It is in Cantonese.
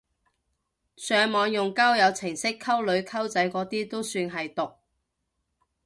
上網用交友程式溝女溝仔嗰啲都算係毒！